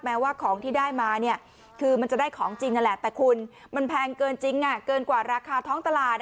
ว่าของที่ได้มาคือมันจะได้ของจริงนั่นแหละแต่คุณมันแพงเกินจริงเกินกว่าราคาท้องตลาด